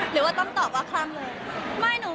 หรือว่าต้องตอบว่าคล่ำเลย